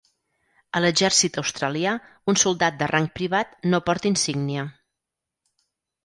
A l'exèrcit australià, un soldat de rang privat no porta insígnia.